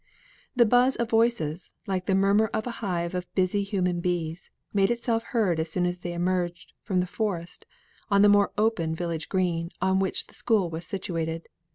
The buzz of voices, like the murmur of a hive of busy human bees, made itself heard as soon as they emerged from the forest on the more open village green on which the school was situated.